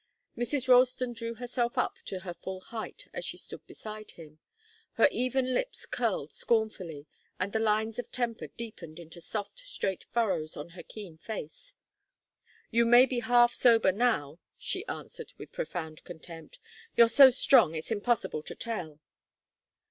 Mrs. Ralston drew herself up to her full height as she stood beside him. Her even lips curled scornfully, and the lines of temper deepened into soft, straight furrows in her keen face. "You may be half sober now," she answered with profound contempt. "You're so strong it's impossible to tell."